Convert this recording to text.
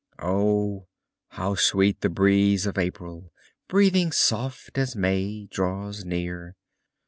how sweet the breeze of April, Breathing soft as May draws near!